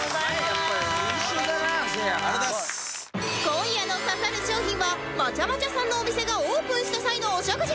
今夜の刺さる賞品はまちゃまちゃさんのお店がオープンした際のお食事券